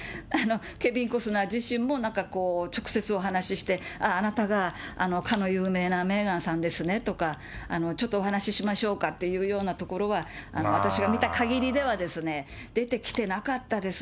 ケビン・コスナー自身も、なんか直接お話して、あなたがかの有名なメーガンさんですねとか、ちょっとお話しましょうかっていうようなところは、私が見たかぎりではですね、出てきてなかったですね。